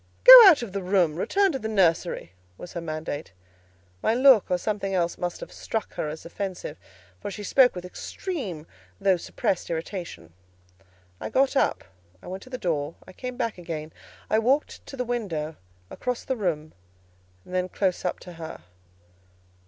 "Go out of the room; return to the nursery," was her mandate. My look or something else must have struck her as offensive, for she spoke with extreme though suppressed irritation. I got up, I went to the door; I came back again; I walked to the window, across the room, then close up to her.